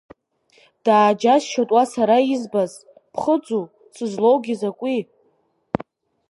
Дааџьасшьоит уа сара избаз, ԥхыӡу, сызлоугьы закәи?